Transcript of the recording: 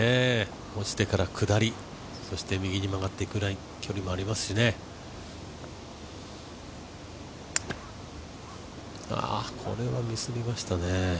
落ちて下りそして右に曲がっていくフックライン、距離もありますしねこれはミスりましたね。